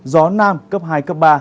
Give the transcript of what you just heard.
gió nam cấp hai cấp ba